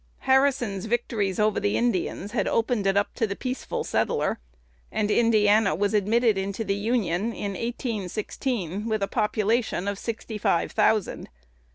Harrison's victories over the Indians had opened it up to the peaceful settler; and Indiana was admitted into the Union in 1816, with a population of sixty five thousand.